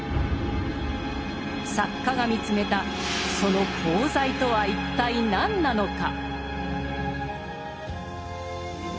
作家が見つめたその功罪とは一体何なのか。